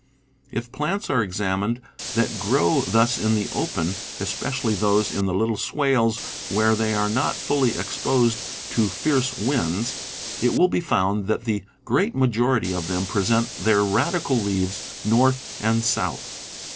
If plants are examined that grow thus in the open, especially those in the little swales where they are not fully exposed to fierce winds, it will be found that the great majority of them present their radical leaves north and south.